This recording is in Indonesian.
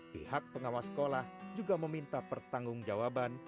pihak pengawas sekolah juga meminta pertanggung jawaban